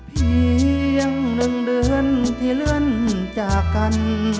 เพียง๑เดือนที่เลื่อนจากกัน